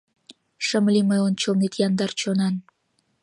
Шым лий мый ончылнет яндар чонан.